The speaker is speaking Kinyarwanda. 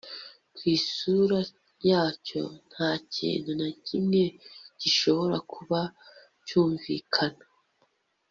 ku isura yacyo, nta kintu na kimwe gishobora kuba cyumvikana